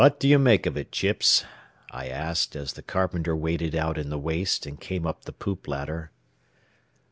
"What do you make of it, Chips?" I asked, as the carpenter waded out in the waist and came up the poop ladder.